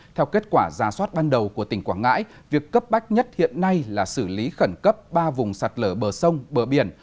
theo kết quả ra soát ban đầu của tỉnh quảng ngãi việc cấp bách nhất hiện nay là xử lý khẩn cấp ba vùng sạt lở bờ sông bờ biển